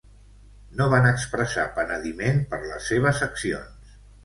No van expressar penediment per les seves accions.